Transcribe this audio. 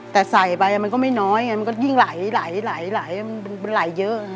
แต่ใส่ไปกันก็ยิ่งไร้เยอะ